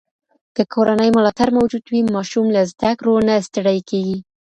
که کورنۍ ملاتړ موجود وي، ماشوم له زده کړو نه ستړی کېږي.